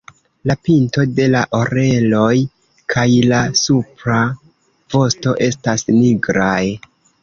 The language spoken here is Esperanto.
La pinto de la oreloj kaj la supra vosto estas nigraj.